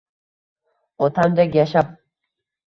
Otamdek yashab